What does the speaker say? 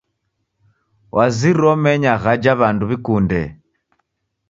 Waziri omenya ghaja w'andu w'ikunde.